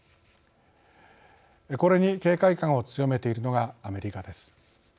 これに警戒感を強めているのがアメリカです。